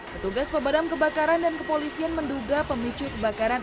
petugas pemadam kebakaran dan kepolisian menduga pemicu kebakaran